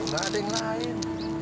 gak ada yang lain